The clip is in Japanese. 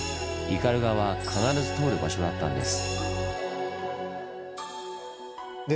斑鳩は必ず通る場所だったんです。